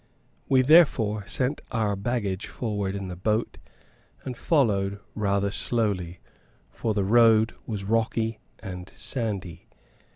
We therefore sent our baggage forward in the boat, and followed rather slowly, for the road was rocky and sandy.